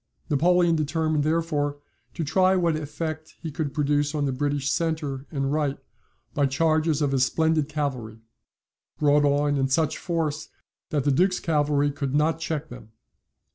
Napoleon determined therefore to try what effect he could produce on the British centre and right by charges of his splendid cavalry, brought on in such force that the Duke's cavalry could not check them.